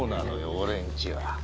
俺んちは？